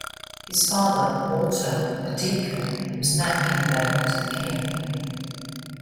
His father, Walter, a deacon, was Napkin Bearer to the King.